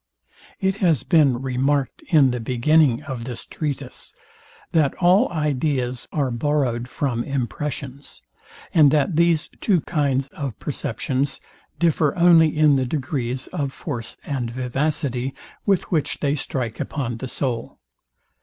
It has been remarked in the beginning of this treatise, that all ideas are borrowed from impressions, and that these two kinds of perceptions differ only in the degrees of force and vivacity, with which they strike upon the soul.